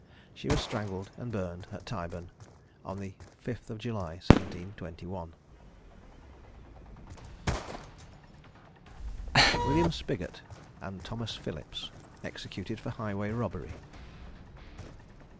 She was strangled and burned at Tyburn on the 5th of July, 1721. WILLIAM SPIGGOT, AND THOMAS PHILLIPS. EXECUTED FOR HIGHWAY ROBBERY.